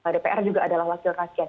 dpr juga adalah wakil rakyat